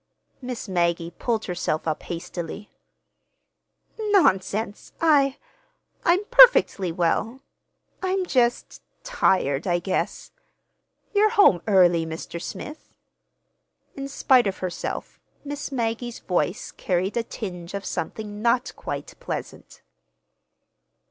Miss Maggie pulled herself up hastily. "Nonsense! I—I'm perfectly well. I'm just—tired, I guess. You're home early, Mr. Smith." In spite of herself Miss Maggie's voice carried a tinge of something not quite pleasant.